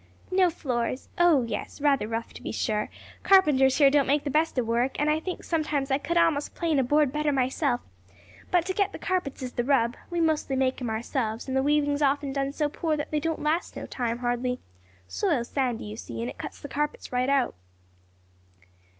"No floors? oh yes; rather rough to be sure; carpenters here don't make the best of work; and I think sometimes I could a'most plane a board better myself but to get the carpets is the rub; we mostly make 'em ourselves and the weavin's often done so poor that they don't last no time hardly. Soil's sandy, you see, and it cuts the carpets right out."